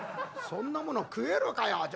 「そんなもの食えるかよ！